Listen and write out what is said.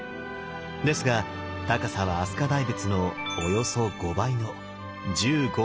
ですが高さは飛鳥大仏のおよそ５倍の１５ｍもあります。